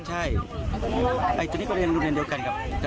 ใช่อันนี้ก็เรียนเดียวกันกับคนนี้